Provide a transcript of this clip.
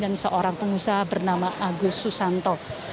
dan seorang pengusaha bernama agus susanto